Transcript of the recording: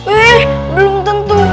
ih belum tentu